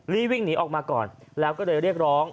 รีบวิ่งหนีออกมาก่อนแล้วก็เลยเรียกร้อง